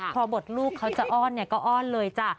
พอบทลูกเขาจะอ้อนเนี่ยก็อ้อนเลยจ้ะ